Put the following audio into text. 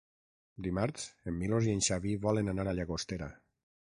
Dimarts en Milos i en Xavi volen anar a Llagostera.